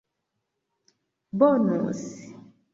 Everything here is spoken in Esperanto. bonus